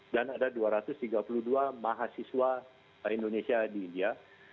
dan ada dua ratus tiga puluh dua mahasiswa indonesia di india